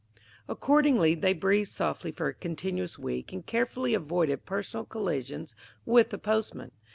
Accordingly, they breathed softly for a continuous week, and carefully avoided personal collisions with the postman.